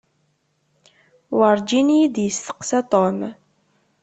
Werǧin iyi-d-isteqsa Tom.